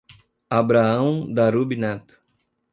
Abrahao Darub Neto